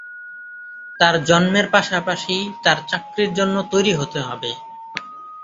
তার জন্মের পাশাপাশি তার চাকরির জন্য তৈরি হতে হবে।